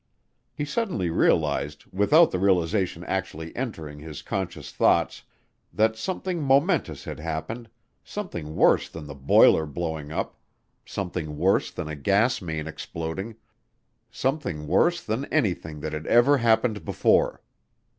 He suddenly realized, without the realization actually entering his conscious thoughts, that something momentous had happened, something worse than the boiler blowing up, something worse than a gas main exploding, something worse than anything that had ever happened before.